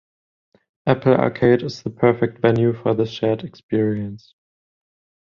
Apple Arcade is the perfect venue for this shared experience.